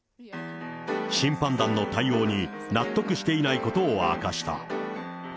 審判団の対応に納得していないことを明かした。